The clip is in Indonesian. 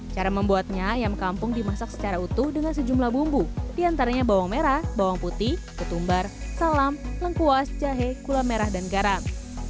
cara membuatnya ayam kampung dimasak secara utuh dengan sejumlah bumbu diantaranya bawang merah bawang putih ketumbar salam lengkuas jahe gula merah dan garam